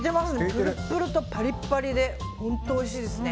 プルプルとパリパリで本当おいしいですね。